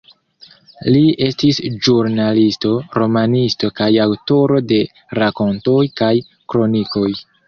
Li estis ĵurnalisto, romanisto kaj aŭtoro de rakontoj kaj kronikoj.